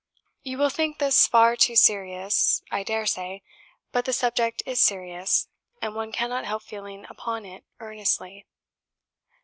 You will think this far too serious, I dare say; but the subject is serious, and one cannot help feeling upon it earnestly."